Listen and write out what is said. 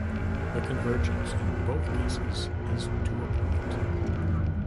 The convergence in both cases is to a point.